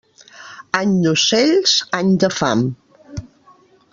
Any d'ocells, any de fam.